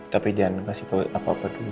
tapi jangan kasih tau apa apa dulu